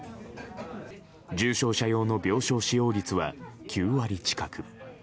重症者用の病床使用率は９割近く。